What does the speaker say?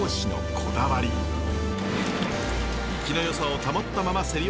生きのよさを保ったままセリ